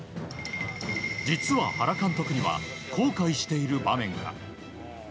実は、原監督には後悔している場面が。